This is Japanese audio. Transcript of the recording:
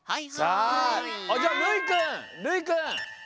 あっじゃあるいくんるいくん。